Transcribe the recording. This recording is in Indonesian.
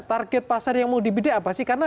target pasar yang mau dibidik apa sih karena